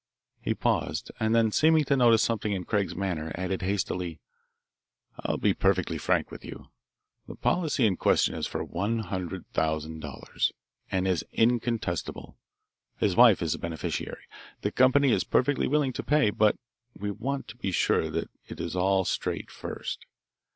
He paused and then, seeming to notice something in Craig's manner, added hastily: "I'll be perfectly frank with you. The policy in question is for one hundred thousand dollars, and is incontestable. His wife is the beneficiary. The company is perfectly willing to pay, but we want to be sure that it is all straight first.